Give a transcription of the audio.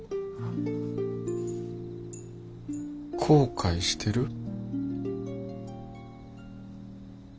後悔してる？